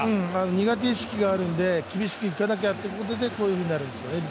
苦手意識があるんで厳しくいかなきゃということでこういうふうになるんですよね